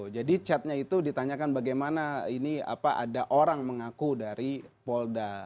jadi chatnya itu ditanyakan bagaimana ini apa ada orang mengaku dari polda